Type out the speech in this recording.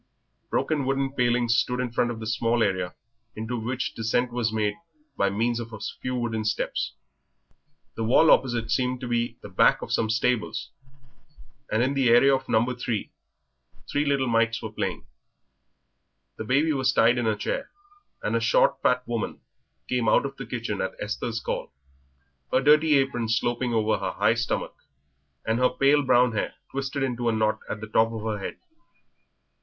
Broken wooden palings stood in front of the small area into which descent was made by means of a few wooden steps. The wall opposite seemed to be the back of some stables, and in the area of No. 3 three little mites were playing. The baby was tied in a chair, and a short fat woman came out of the kitchen at Esther's call, her dirty apron sloping over her high stomach, and her pale brown hair twisted into a knot at the top of her head.